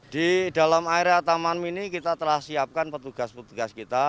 di dalam area taman mini kita telah siapkan petugas petugas kita